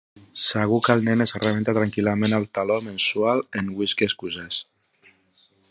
Segur que el nen es rebenta tranquil·lament el taló mensual en whisky escocès.